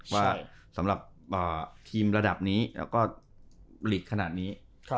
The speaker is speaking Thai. ว่าสำหรับทีมระดับนี้แล้วก็หลีกขนาดนี้